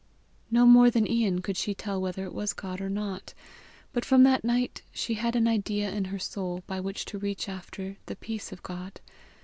No more than Ian could she tell whether it was God or not; but from that night she had an idea in her soul by which to reach after "the peace of God."